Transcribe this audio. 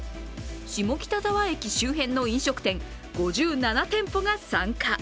下北沢駅周辺の飲食店５７店舗が参加。